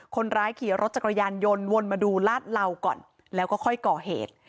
คนร้ายขี่รถจักรยานยนต์วนมาดูลาดเหล่าก่อนแล้วก็ค่อยก่อเหตุ